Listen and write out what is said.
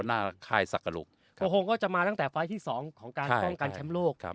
หน้าค่ายสักกะลุกโอโฮงก็จะมาตั้งแต่ไฟล์ที่สองของการคล่องการแชมป์โลกครับ